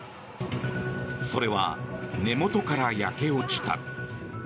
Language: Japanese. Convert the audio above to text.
それは根元から焼け落ちた。